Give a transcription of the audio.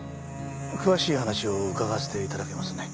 詳しい話を伺わせて頂けますね？